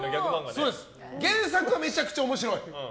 原作はめちゃくちゃ面白い。